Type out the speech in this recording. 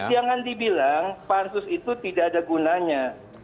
jadi jangan dibilang pansus itu tidak ada gunanya